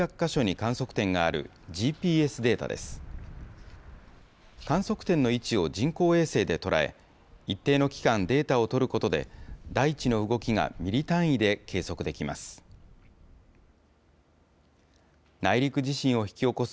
観測点の位置を人工衛星で捉え、一定の期間、データを取ることで、大地の動きがミリ単位で計測できます。